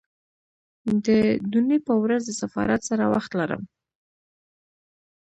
د دونۍ په ورځ د سفارت سره وخت لرم